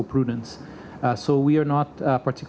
untuk mempertahankan keberanian fiskal